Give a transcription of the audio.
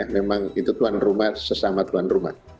memang itu tuan rumah sesama tuan rumah